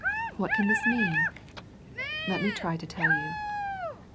What can this mean? Let me try to tell you.